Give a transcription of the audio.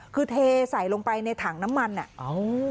คือเทใส่ลงไปในถังน้ำมันอ่ะ